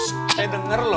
saya denger lho